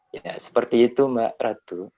ya seperti itu mbak ratu